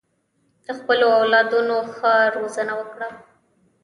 د خپلو اولادونو ښه روزنه وکړه.